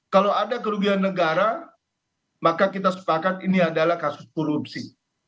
kalau ada kerugian negara maka kita sepakat ini adalah kasus korupsi